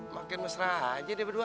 makin mesra aja dia berdua